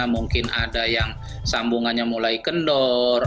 mungkin ada yang sambungannya mulai kendor